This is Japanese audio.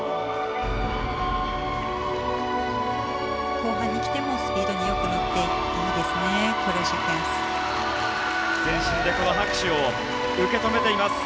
後半に来てもスピードによく乗っていいですね。